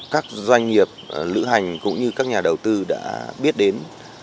các doanh nghiệp lữ hành cũng như các nhà đầu tư đã biết đến